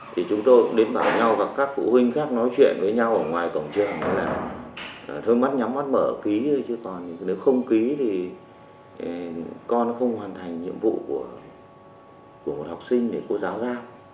thì chúng tôi cũng đến bảo nhau và các phụ huynh khác nói chuyện với nhau ở ngoài cổng trường là thôi mắt nhắm mắt mở ký hay chứ còn nếu không ký thì con không hoàn thành nhiệm vụ của một học sinh để cô giáo ra